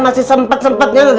masih sempat sempatnya nen